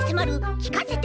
「きかせて！